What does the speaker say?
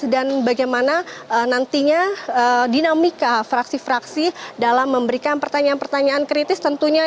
dan bagaimana nantinya dinamika fraksi fraksi dalam memberikan pertanyaan pertanyaan kritis tentunya